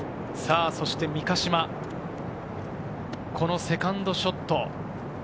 そして三ヶ島のセカンドショット。